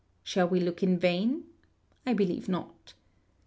Shall we look in vain ? I believe not.